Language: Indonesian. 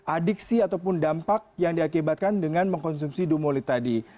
adiksi ataupun dampak yang diakibatkan dengan mengkonsumsi dumolid tadi